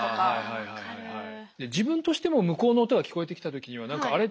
自分としても向こうの音が聞こえてきた時には何か「あれ？